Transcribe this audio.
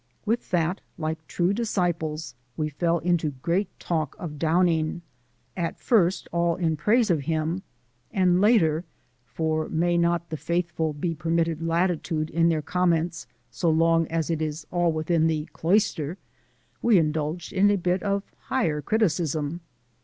With that, like true disciples, we fell into great talk of Downing, at first all in praise of him, and later for may not the faithful be permitted latitude in their comments so long as it is all within the cloister? we indulged in a bit of higher criticism.